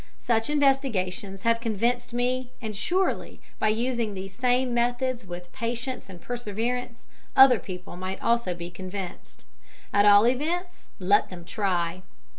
Such investigations have convinced me, and surely, by using these same methods with patience and perseverance, other people might also be convinced. At all events, let them try.